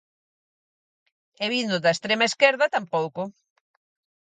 E vindo da extrema esquerda, tampouco.